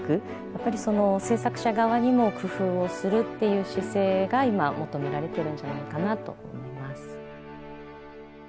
やっぱりその制作者側にも工夫をするっていう姿勢が今求められてるんじゃないかなと思います。